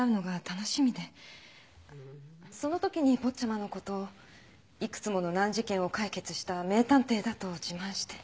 そのときに坊ちゃまのことを幾つもの難事件を解決した名探偵だと自慢して。